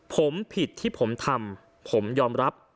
ผมผิดที่ผมทำผมยอมรับ